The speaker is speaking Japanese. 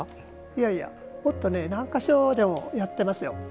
いやいやもっと何か所でもやってますよ。